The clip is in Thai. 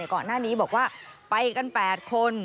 ก่อนหน้านี้บอกว่าไปกัน๘คน